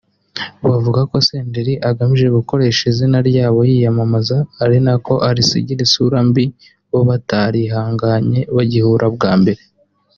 bavuga ko Senderi agamije gukoresha izina ryabo yiyamamaza ari nako arisiga isura mbi bo batarihanganye bagihura bwa mbere